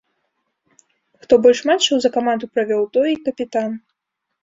Хто больш матчаў за каманду правёў, той і капітан.